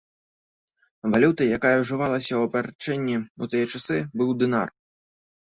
Валютай, якая ўжывалася ў абарачэнні ў тыя часы, быў дынар.